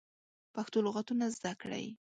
پښتو لغاتونه زده کړی